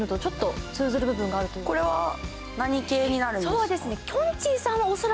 これは何系になるんですかそうですね